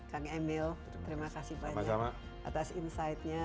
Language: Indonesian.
kang emil terima kasih banyak atas insightnya